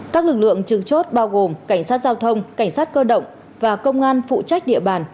các lực lượng trừ chốt bao gồm cảnh sát giao thông cảnh sát cơ động và công an phụ trách địa bàn